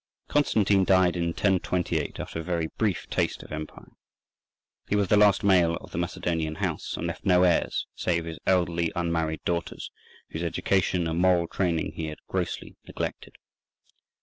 Constantine died in 1028, after a very brief taste of empire. He was the last male of the Macedonian house, and left no heirs save his elderly unmarried daughters—whose education and moral training he had grossly neglected.